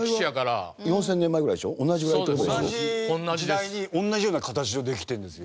同じ時代に同じような形ができてるんですよ。